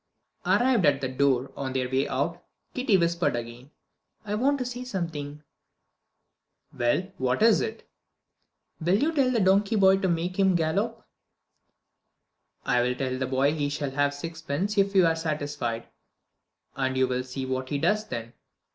Arrived at the door on their way out, Kitty whispered again: "I want to say something" "Well, what is it?" "Will you tell the donkey boy to make him gallop?" "I'll tell the boy he shall have sixpence if you are satisfied; and you will see what he does then."